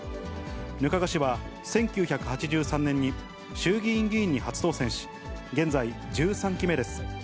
額賀氏は１９８３年に衆議院議員に初当選し、現在１３期目です。